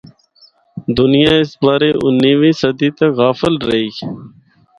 دُنیا اس بارے انیویں صدی تک غافل رہیی۔